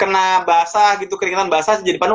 kena basah gitu keringetan basah jadi panu